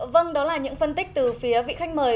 vâng đó là những phân tích từ phía vị khách mời